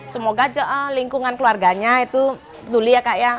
semoga lingkungan keluarganya itu peduli ya kak ya